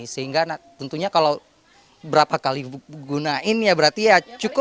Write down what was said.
sehingga tentunya kalau berapa kali gunain ya berarti ya cukup